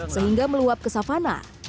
sehingga meluap ke savana